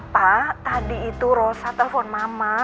pak tadi itu rosa telepon mama